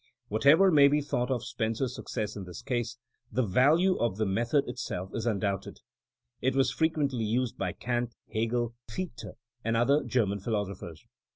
Whatever may be thought of Spencer's success in this case, the value of the method it 64 THINKINa AS A SCIENCE self is undoubted. It was frequently used by Kant, Hegely Fichte and other GFerman philoso phers.